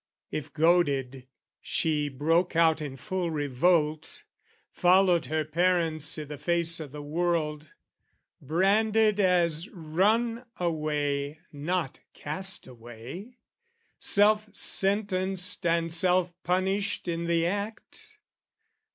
If, goaded, she broke out in full revolt, Followed her parents i' the face o' the world, Branded as runaway not castaway, Self sentenced and self punished in the act?